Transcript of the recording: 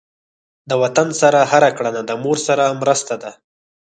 د وطن سره هر کړنه د مور سره مرسته ده.